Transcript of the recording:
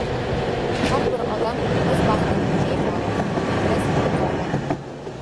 Har bir odam o‘z baxtining me’mori. Ingliz maqoli